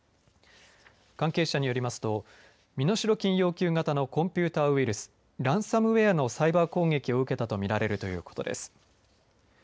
関係者によりますと身代金要求型のコンピューターウイルスランサムウエアのサイバー攻撃を受けたとみられるということです。